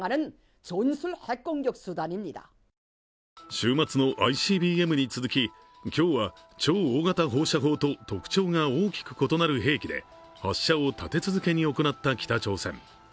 週末のＩＣＢＭに続き今日は超大型放射砲と特徴が大きく異なる兵器で発射を立て続けに行った北朝鮮。